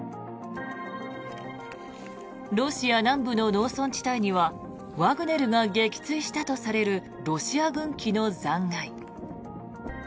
ロシア南部の農村地帯にはワグネルが撃墜したとされるロシア軍機の残骸。